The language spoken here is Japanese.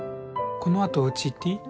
このあとおうち行っていい？